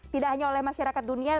tidak hanya oleh masyarakat dunia